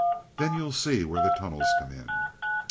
Then you'll see where the tunnels come in."